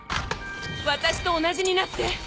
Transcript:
私と同じになって。